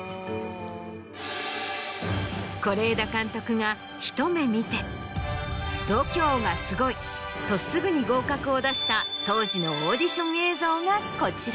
是枝監督がひと目見て。とすぐに合格を出した当時のオーディション映像がこちら。